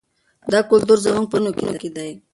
دا کلتور زموږ په رګونو کې دی.